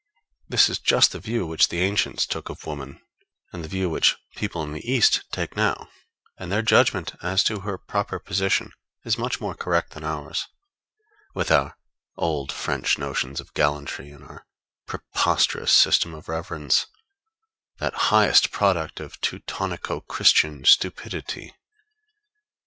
] This is just the view which the ancients took of woman, and the view which people in the East take now; and their judgment as to her proper position is much more correct than ours, with our old French notions of gallantry and our preposterous system of reverence that highest product of Teutonico Christian stupidity.